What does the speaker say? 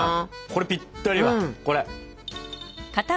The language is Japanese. これぴったりだこれ。